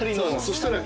そしたら。